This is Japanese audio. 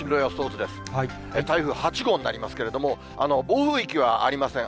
台風８号になりますけれども、暴風域はありません。